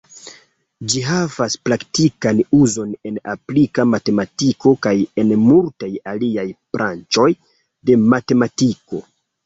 Ĝi havas praktikan uzon en aplika matematiko kaj en multaj aliaj branĉoj de matematiko.